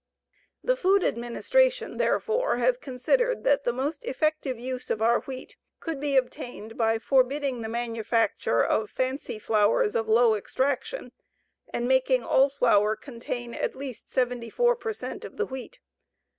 The Food Administration, therefore, has considered that the most effective use of our wheat could be obtained by forbidding the manufacture of fancy flours of low extraction and making all flour contain at least 74 per cent of the wheat.